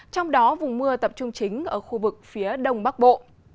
trong đó vùng mưa tập trung chính ở khu vực phía đông bắc bộ